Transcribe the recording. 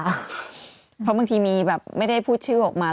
เพราะบางทีมีแบบไม่ได้พูดชื่อออกมา